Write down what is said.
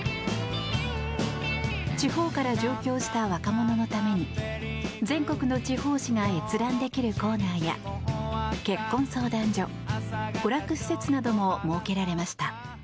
地方から上京した若者のために全国の地方紙が閲覧できるコーナーや結婚相談所、娯楽施設なども設けられました。